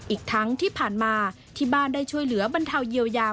อีกทั้งที่ผ่านมาที่บ้านได้ช่วยเหลือบรรเทาเยียวยา